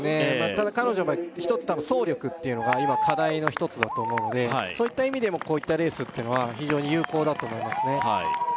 ただ彼女やっぱ一つ多分走力っていうのが今課題の一つだと思うのでそういった意味でもこういったレースってのは非常に有効だと思いますね